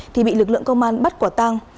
thì bị lực lượng công an bắt quả tang